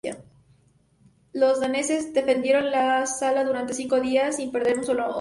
Los daneses defendieron la sala durante cinco días sin perder un solo hombre.